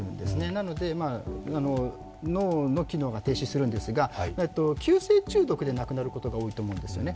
なので脳の機能が停止するんですが急性中毒で亡くなることが多いと思うんですね。